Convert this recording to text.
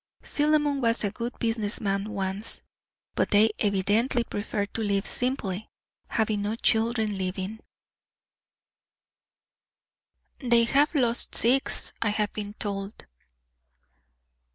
Philemon was a good business man once; but they evidently preferred to live simply, having no children living " "They have lost six, I have been told."